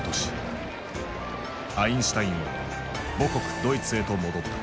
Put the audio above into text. アインシュタインは母国ドイツへと戻った。